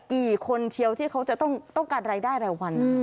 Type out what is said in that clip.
กี่คนเชียวที่เขาจะต้องการรายได้รายวัน